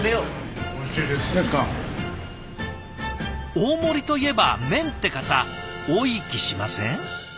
大盛りといえば麺って方多い気しません？